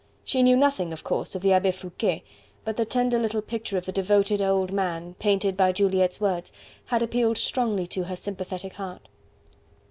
She knew nothing, of course, of the Abbe Foucquet, but the tender little picture of the devoted old man, painted by Juliette's words, had appealed strongly to her sympathetic heart.